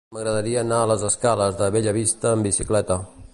M'agradaria anar a les escales de Bellavista amb bicicleta.